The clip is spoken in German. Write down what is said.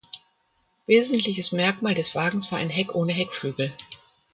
Wesentliches Merkmal des Wagens war ein Heck ohne Heckflügel.